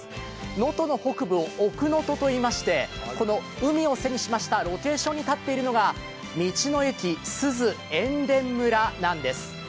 能登の北部を奥能登といいまして、海を背にしましたロケーションに立っているのが道の駅すず塩田村なんです。